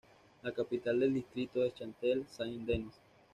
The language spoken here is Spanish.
La capital del distrito es Châtel-Saint-Denis.